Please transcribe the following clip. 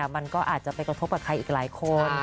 มันก็อาจจะไปกระทบกับใครอีกหลายคน